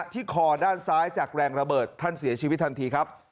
คอด้านซ้ายจากแรงระเบิดท่านเสียชีวิตทันทีครับ